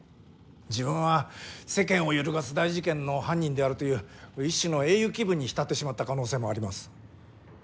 自分は世間を揺るがす大事件の犯人であるという一種の英雄気分に浸ってしまった可能性もあります。